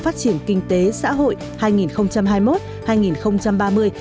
phát triển kinh tế xã hội